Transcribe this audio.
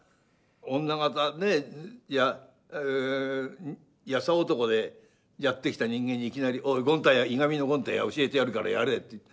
女方で優男でやってきた人間にいきなり「おい『いがみの権太』教えてやるからやれ」って。